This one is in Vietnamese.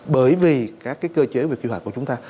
bởi vì các cái cơ chế về quy hoạch của chúng ta